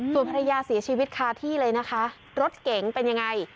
ส่วนภรรยาเสียชีวิตคาที่เลยนะคะรถเก๋งเป็นยังไง